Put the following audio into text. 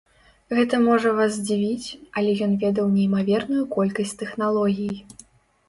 Гэта можа вас здзівіць, але ён ведаў неймаверную колькасць тэхналогій.